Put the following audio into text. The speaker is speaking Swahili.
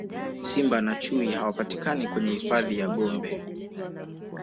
simba na chui hawapatikani kwenye hifadhi ya gombe